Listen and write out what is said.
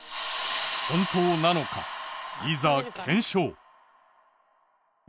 本当なのかいざ検証。